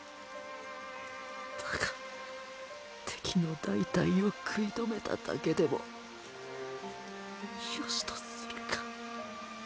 だが敵の大隊を食い止めただけでもよしとするか。